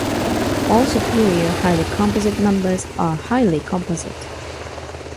All superior highly composite numbers are highly composite.